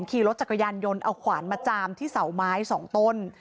ขี่รถจักรยานยนต์เอาขวานมาจามที่เสาไม้๒ต้น